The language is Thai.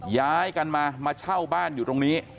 ย้ายกันมามาเช่าบ้านอยู่ตรงนี้